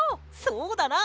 そうだな。